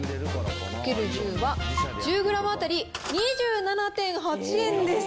かける１０は、１０グラム当たり２７．８円です。